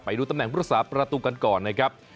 ไปดูตำแหน่งพุทธศาสตร์ประตูกันก่อนนะครับ